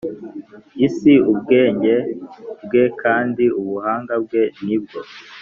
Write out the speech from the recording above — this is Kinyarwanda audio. Isi ubwenge bwe kandi ubuhanga bwe ni bwo